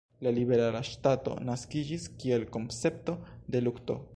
La Liberala Ŝtato naskiĝis kiel koncepto de lukto.